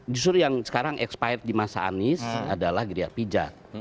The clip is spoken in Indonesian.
justru yang sekarang expired di masa anis adalah griapijat